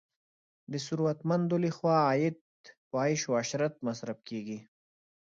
د ثروتمندو لخوا عاید په عیش او عشرت مصرف کیږي.